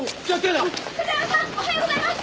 片山さんおはようございます！